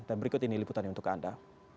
dan berikut ini liputannya untuk anda